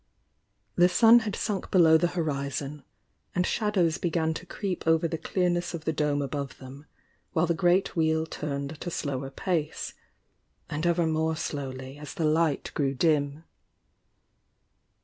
The sun had sunk below the horizon, and shadows began to creep over the clear ness of the dome above them, while the great Wheel turned at a slower pace— and ever more slowly as the light grew dim.